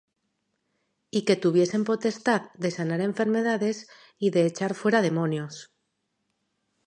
Y que tuviesen potestad de sanar enfermedades, y de echar fuera demonios: